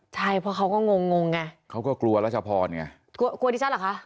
ใช่เพราะเขาก็งงงไงเขาก็กลัวรัชพรไงกลัวกลัวดิฉันเหรอคะ